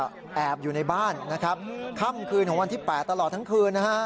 มาได้แล้วตาเนี่ยแอบอยู่ในบ้านนะครับค่ำคืนของวันที่แปดตลอดทั้งคืนนะฮะ